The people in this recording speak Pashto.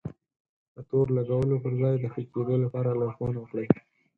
د تور لګولو پر ځای د ښه کېدو لپاره لارښونه وکړئ.